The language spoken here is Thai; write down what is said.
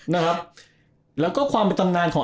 นะครับแล้วก็ความเป็นตำนานของ